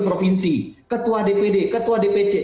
provinsi ketua dpd ketua dpc